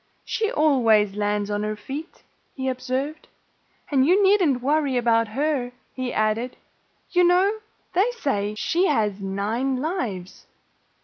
"She always lands on her feet," he observed. "And you needn't worry about her," he added. "You know, they say she has nine lives."